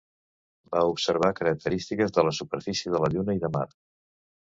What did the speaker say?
Va observar característiques de la superfície de la Lluna i de Mart.